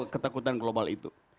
ketakutan global itu